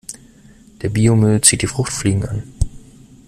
Der Biomüll zieht die Fruchtfliegen an.